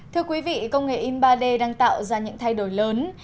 thưa quý vị công nghệ in ba d đang tạo ra những thay đổi lớn